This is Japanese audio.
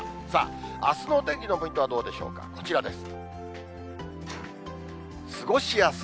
さあ、あすのお天気のポイントはどうでしょうか、こちらです。